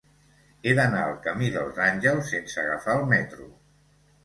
He d'anar al camí dels Àngels sense agafar el metro.